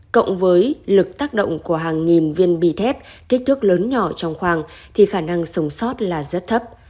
cộng với lực tác động của hàng nghìn viên bì thép kích thước lớn nhỏ trong khoang thì khả năng sống sót là rất thấp